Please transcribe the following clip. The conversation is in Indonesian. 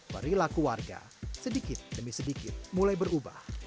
perilaku warga sedikit demi sedikit mulai berubah